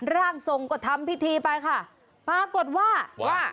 ร่างทรงก็ทำพิธีไปค่ะปรากฏว่าว่า